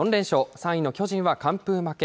３位の巨人は完封負け。